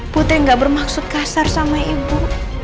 putri gak bermaksud kasar sama ibu